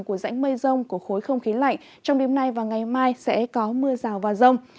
của rãnh mây rông của khối không khí lạnh trong đêm nay và ngày mai sẽ có mưa rào và rông